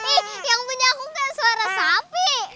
ih yang punya aku kan suara sapi